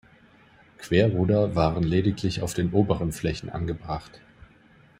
Querruder waren lediglich auf den oberen Flächen angebracht.